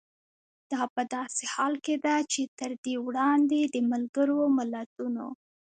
دا په داسې حال کې ده چې تر دې وړاندې د ملګرو ملتونو